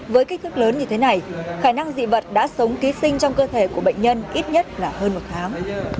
với kích thước lớn như thế này khả năng dị vật đã sống ký sinh trong cơ thể của bệnh nhân ít nhất là hơn một tháng